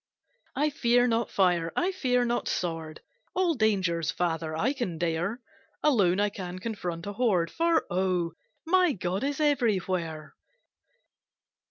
"I fear not fire, I fear not sword, All dangers, father, I can dare; Alone, I can confront a horde, For oh! my God is everywhere!"